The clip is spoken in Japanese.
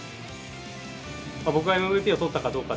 僕がＭＶＰをとったかどうか